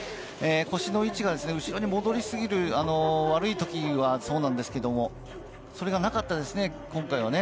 腰の位置が後ろに戻りすぎる、悪い時はそうなんですけれど、それがなかったですね、今回は。